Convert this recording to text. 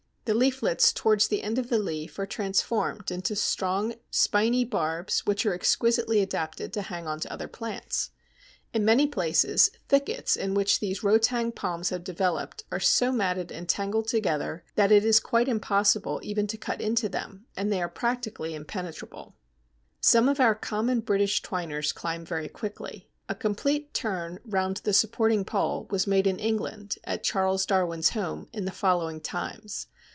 The leaflets towards the end of the leaf are transformed into strong spiny barbs which are exquisitely adapted to hang on to other plants. In many places, thickets in which these rotang palms have developed are so matted and tangled together that it is quite impossible even to cut into them, and they are practically impenetrable. [Illustration: IN A KENTISH HOP GARDEN.] Some of our common British twiners climb very quickly. A complete turn round the supporting pole was made in England, at Charles Darwin's home, in the following times.